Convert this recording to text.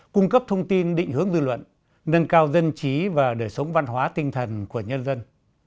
cung cấp thông tin định hướng dư luận nâng cao dân trí và đời sống văn hóa tinh thần của nhân dân